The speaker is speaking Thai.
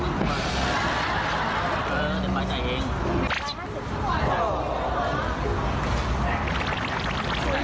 เออจะปลาจ่ายเอง